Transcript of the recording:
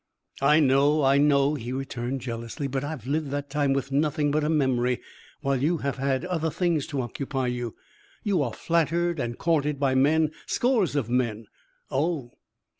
"I know! I know!" he returned, jealously. "But I have lived that time with nothing but a memory, while you have had other things to occupy you. You are flattered and courted by men, scores of men " "Oh!"